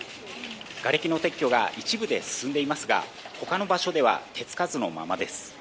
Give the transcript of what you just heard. がれきの撤去が一部で進んでいますが他の場所では手付かずのままです。